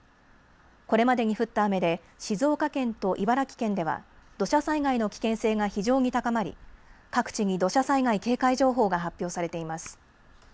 これまでに降った雨で静岡県と茨城県では土砂災害の危険性が非常に高まり各地に土砂災害警戒情報が発表されています。